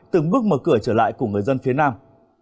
từng bước mở cửa trở lại của người dân phía nam